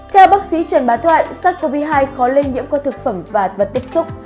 theo bác sĩ trần bá thoại sars cov hai khó lây nhiễm qua thực phẩm và vật tiếp xúc